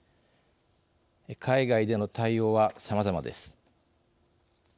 海外での対応はさまざまです。